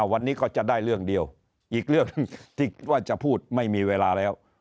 วันนี้ก็จะได้เรื่องเดียวอีกเรื่องหนึ่งที่ว่าจะพูดไม่มีเวลาแล้ว